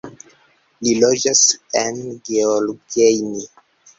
Li loĝas en Gheorgheni.